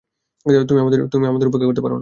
তুমি আমাদের উপেক্ষা করতে পারো না।